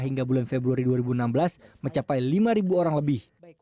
hingga bulan februari dua ribu enam belas mencapai lima orang lebih